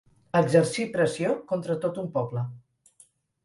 Exercí pressió contra tot un poble.